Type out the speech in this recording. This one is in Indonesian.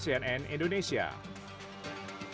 sampai jumpa di sumbang